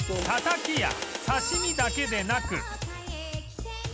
たたきや刺身だけでなく